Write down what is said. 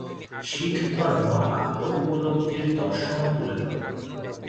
শিখধর্ম আত্ম-উপলব্ধির দর্শন তুলে ধরে।